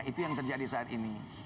itu yang terjadi saat ini